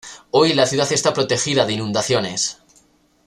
Hoy la ciudad está protegida de inundaciones.